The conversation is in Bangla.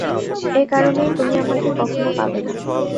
এ কারণেই তুমি আমাকে কখনো পাবে না।